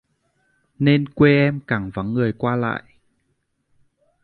nên quê em càng vắng người qua lại